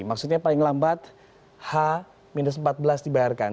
maksudnya paling lambat h empat belas dibayarkan